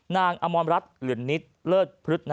นางอมรรทหรือนิตเลิศพฤษ